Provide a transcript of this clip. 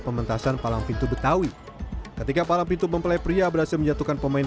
pementasan palang pintu betawi ketika palang pintu mempelai pria berhasil menjatuhkan pemain